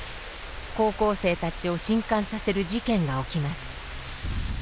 高校生たちを震かんさせる事件が起きます。